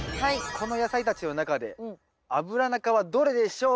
この野菜たちの中でアブラナ科はどれでしょうか？